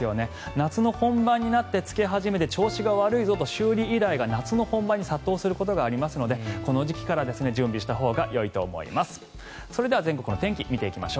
夏の本番になってつけ始めて調子が悪いぞと修理依頼が夏の本番に殺到することがありますのでこの時期から準備をしておいたほうがいいと思います。